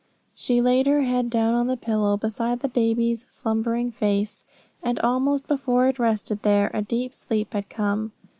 She laid her head down on the pillow beside the baby's slumbering face, and almost before it rested there a deep sleep had come.